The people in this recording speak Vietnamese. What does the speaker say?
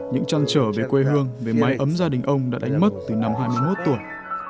những trăn trở về quê hương về mái ấm gia đình ông đã đánh mất từ năm hai mươi một tuổi